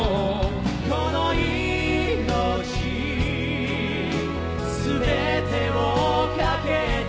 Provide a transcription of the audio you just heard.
「この命すべてをかけて」